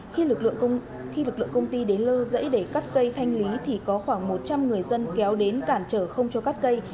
khi lực lượng công ty đến lô rẫy để cắt cây thanh lý có khoảng một trăm linh người dân kéo đến cản trở không cho cắt cây